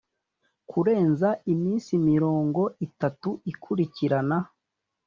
kurenza iminsi mirongo itatu ikurikirana